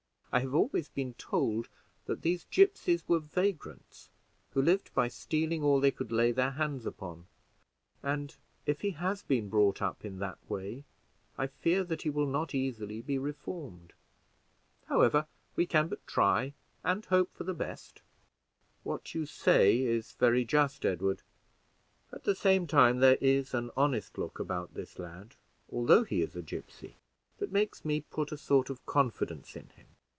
I have always been told that these gipsies were vagrants, who lived by stealing all they could lay their hands upon; and, if he has been brought up in that way, I fear that he will not easily be reformed. However, we can but try, and hope for the best." "What you say is very just, Edward; at the same time there is an honest look about this lad, although he is a gipsy, that makes me put a sort of confidence in him.